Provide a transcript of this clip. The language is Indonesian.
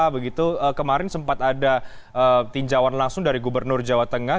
begitu kemarin sempat ada tinjauan langsung dari gubernur jawa tengah